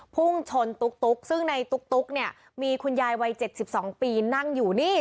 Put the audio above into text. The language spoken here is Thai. พุ่งชนตุ๊กซึ่งในตุ๊กเนี่ยมีคุณยายวัย๗๒ปีนั่งอยู่นี่